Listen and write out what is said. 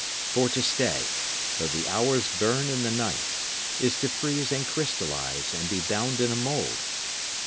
For to stay, though the hours burn in the night, is to freeze and crystallize and be bound in a mould.